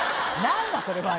何だそれは！